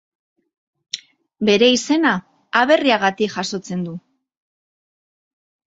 Bere izena Aberriagatik jasotzen du.